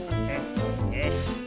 よし。